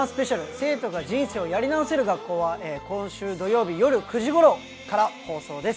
『生徒が人生をやり直せる学校』は今週土曜日、夜９時頃から放送です。